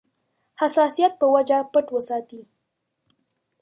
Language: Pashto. حساسیت په وجه پټ وساتي.